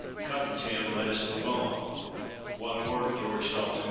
Come, Tim: let us move on.'—'One word, George Dalton!'